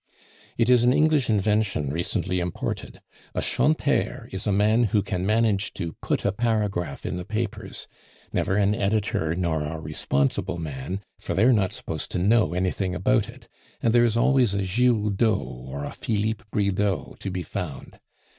"It is an English invention recently imported. A 'chanteur' is a man who can manage to put a paragraph in the papers never an editor nor a responsible man, for they are not supposed to know anything about it, and there is always a Giroudeau or a Philippe Bridau to be found.